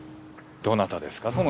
どなたですか？